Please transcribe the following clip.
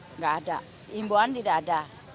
tidak ada imbauan tidak ada